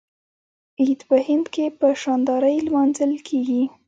عید په هند کې په شاندارۍ لمانځل کیږي.